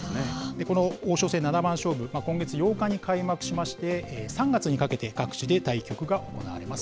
この王将戦七番勝負、今月８日に開幕しまして、３月にかけて各地で対局が行われます。